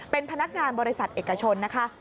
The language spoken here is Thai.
เป็นพนักงานบริษัทเอกชนนะคะ